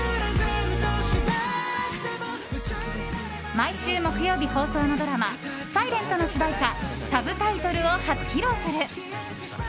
毎週木曜日放送のドラマ「ｓｉｌｅｎｔ」の主題歌「Ｓｕｂｔｉｔｌｅ」を初披露する。